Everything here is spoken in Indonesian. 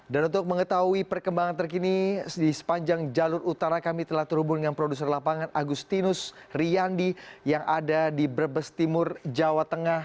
dan untuk mengetahui perkembangan terkini di sepanjang jalur utara kami telah terhubung dengan produser lapangan agustinus riandi yang ada di brebes timur jawa tengah